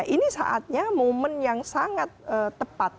ini saatnya momen yang sangat tepat